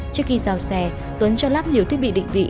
trước khi giao xe tuấn cho lắp nhiều thiết bị định vị